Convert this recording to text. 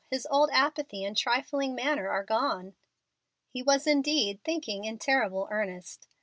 His old apathy and trifling manner are gone." He was indeed thinking in terrible earnest.